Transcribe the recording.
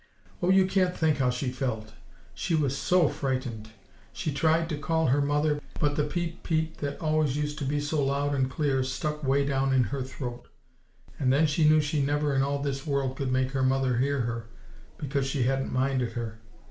"Oh, you can't think how she felt; she was so frightened! She tried to call her mother, but the 'peep peep' that always used to be so loud and clear, stuck way down in her throat; and then she knew she never in all this world could make her mother hear because she hadn't minded her.